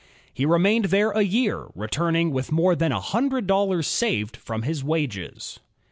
He remained there a year, returning with more than a himdred dollars saved from his wages.